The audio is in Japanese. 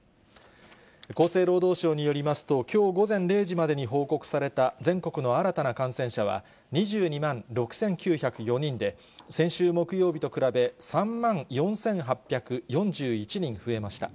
厚生労働省によりますと、きょう午前０時までに報告された、全国の新たな感染者は２２万６９０４人で、先週木曜日と比べ３万４８４１人増えました。